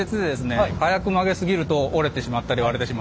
早く曲げすぎると折れてしまったり割れてしまったり。